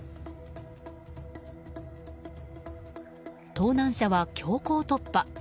盗難車は強行突破。